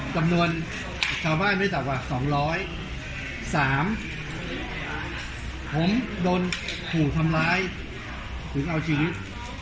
จำนวนชาวบ้านไม่จากกว่าสองร้อยสามผมโดนถูกทำร้ายถึงเอาชีวิต